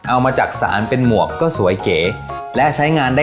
โอ้โหไทยแลนด์